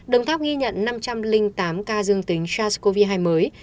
đồng tháp ghi nhận năm trăm linh tám ca dương tính sars cov hai mới